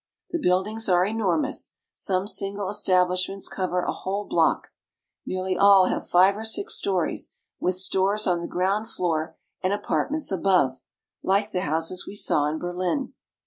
The buildings are enormous. Some single establishments cover a whole block. Nearly all have five or six stories, with stores on the ground floor and apartments above, like the houses we saw in Berlin.